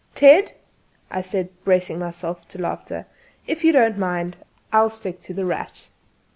"Ted," I said, bracing myself for the laughter, "if you don't mind, I'll stick to 'The Rat.'"